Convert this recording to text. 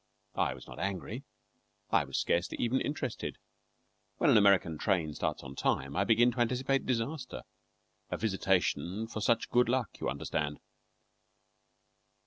I was not angry. I was scarcely even interested. When an American train starts on time I begin to anticipate disaster a visitation for such good luck, you understand.